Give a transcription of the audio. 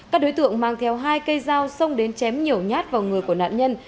các đối tượng mang theo hai cây dao xông đến chém nhiều nhát vào người của nạn nhân